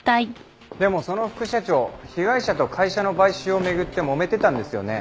でもその副社長被害者と会社の買収を巡ってもめてたんですよね？